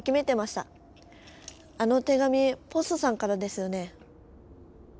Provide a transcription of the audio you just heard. あの手紙ポッソさんからですよね？